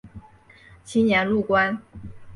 其年入关。